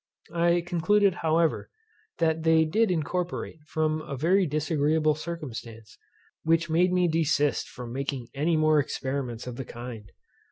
I concluded however, that they did incorporate, from a very disagreeable circumstance, which made me desist from making any more experiments of the kind.